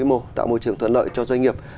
mô tạo môi trường thuận lợi cho doanh nghiệp